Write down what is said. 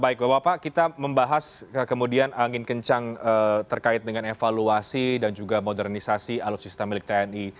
baik bapak bapak kita membahas kemudian angin kencang terkait dengan evaluasi dan juga modernisasi alutsista milik tni